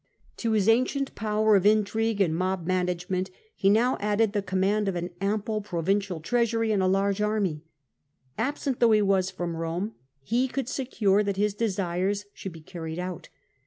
To his ancient power of intrigue and mob management he now added the command of an ample provincial treasury and a large army. Absent though he was from Eome, he could secure that his desires should be carried out.